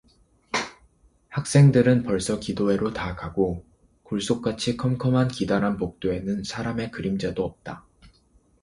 학생들은 벌써 기도회로 다 가고 굴 속같이 컴컴한 기다란 복도에는 사람의 그림자도 없다.